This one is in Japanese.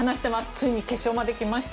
ついに決勝まで来ました。